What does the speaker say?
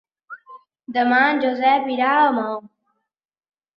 Demà en Josep irà a Maó.